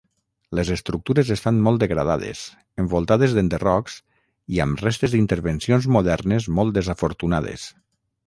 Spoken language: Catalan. Les estructures estan molt degradades, envoltades d'enderrocs, i amb restes d'intervencions modernes molt desafortunades.